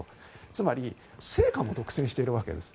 つまり成果も独占しているわけです。